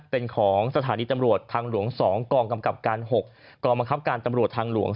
เป็นของสถานีตำรวจทางหลวง๒กองกำกับการ๖กองบังคับการตำรวจทางหลวง